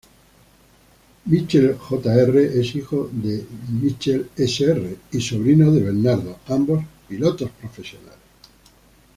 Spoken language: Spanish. Michel Jr., es hijo de Michel, Sr., y sobrino de Bernardo, ambos pilotos profesionales.